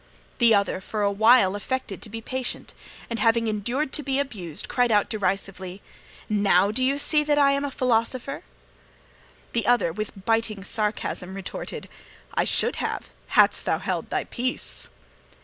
The other for awhile affected to be patient, and, having endured to be abused, cried out derisively: "Now, do you see that I am a philosopher?" The other, with biting sarcasm, retorted: "I should have hadst thou held thy peace."